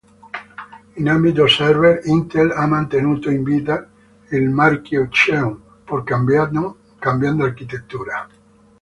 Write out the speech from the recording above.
In ambito server, Intel ha mantenuto in vita il marchio Xeon pur cambiando architettura.